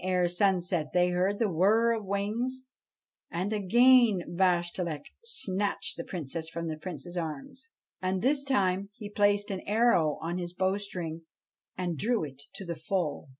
[See page 109 BASHTCHELIK sunset they heard the whir of wings ; and again Bashtchelik snatched the Princess from the Prince's arms. And this time he placed an arrow on his bowstring and drew it to the full.